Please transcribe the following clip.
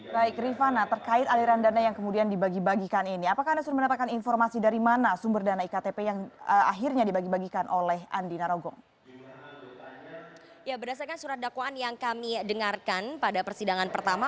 berdasarkan surat dakwaan yang kami dengarkan pada persidangan pertama